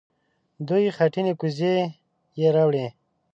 دوې خټينې کوزې يې راوړې.